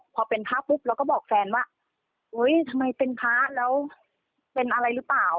พอเป็นพระปุ๊บเราก็บอกแฟนว่าทำไมเป็นพระแล้วเป็นอะไรหรือเปล่า